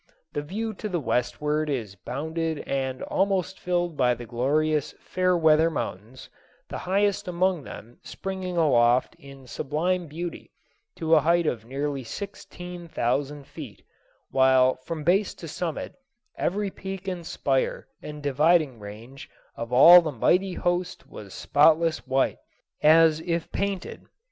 The view to the westward is bounded and almost filled by the glorious Fairweather Mountains, the highest among them springing aloft in sublime beauty to a height of nearly sixteen thousand feet, while from base to summit every peak and spire and dividing ridge of all the mighty host was spotless white, as if painted.